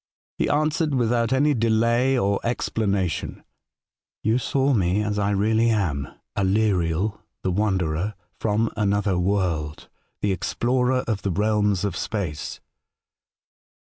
He answered, with out any delay or explanation :' You saw me as I really am, Aleriel, the wanderer, from another world, the explorer of the realms of space.'